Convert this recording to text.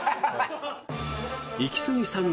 イキスギさん